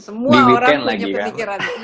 semua orang punya pendikiran weekend gitu